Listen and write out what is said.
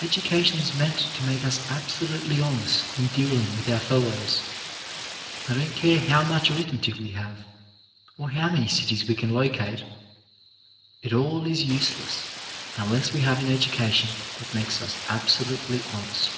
Education is meant to make us absolutely honest in dealing with our fellows. I don't care how much arithmetic we have, or how many cities we can locate; — it all is useless unless we have an education that makes us absolutely honest.